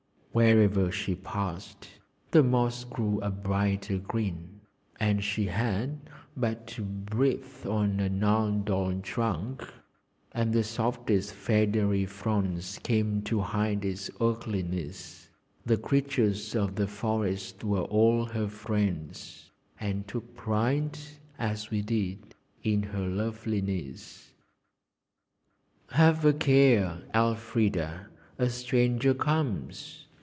Wherever she passed, the moss grew a brighter green, and she had but to breathe on a gnarled old trunk, and the softest feathery fronds came to hide its ugliness. The creatures of the forest were all her friends, and took pride, as we did, in her loveliness. 'Have a care, Elfrida a stranger comes!'